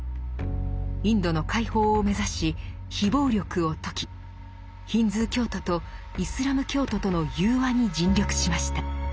インドの解放を目指し非暴力を説きヒンズー教徒とイスラム教徒との融和に尽力しました。